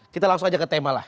kita langsung aja ke tema lah